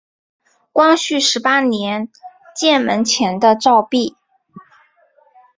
光绪十八年建门前的照壁。